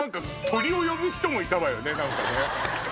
鳥を呼ぶ人もいたわよね。